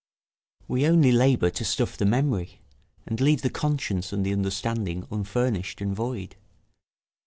We only labour to stuff the memory, and leave the conscience and the understanding unfurnished and void.